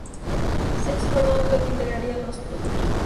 Sánchez Bordón, luego, integraría Los Tucu Tucu.